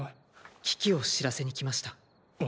危機を知らせに来ました。